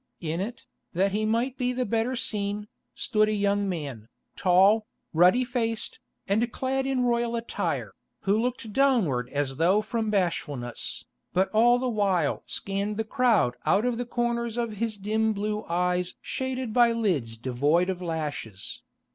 In it, that he might be the better seen, stood a young man, tall, ruddy faced, and clad in royal attire, who looked downward as though from bashfulness, but all the while scanned the crowd out of the corners of his dim blue eyes shaded by lids devoid of lashes.